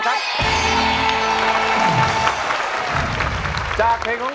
น้องใบบัวร้อง